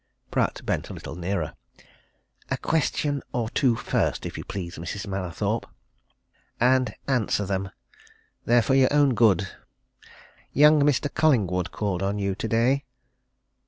Pratt bent a little nearer. "A question or two first, if you please, Mrs. Mallathorpe. And answer them! They're for your own good. Young Mr. Collingwood called on you today."